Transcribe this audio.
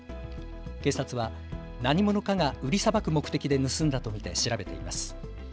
警察は何者かが売りさばく目的で盗んだと見て調べています。